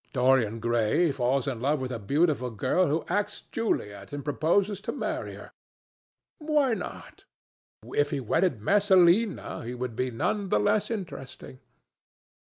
Dorian Gray falls in love with a beautiful girl who acts Juliet, and proposes to marry her. Why not? If he wedded Messalina, he would be none the less interesting.